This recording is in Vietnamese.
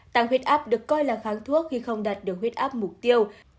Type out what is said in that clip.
tăng huyết áp được coi là kháng thuốc khi không đạt được huyết áp mục tiêu